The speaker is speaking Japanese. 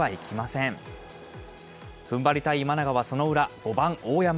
ふんばりたい今永はその裏、５番大山。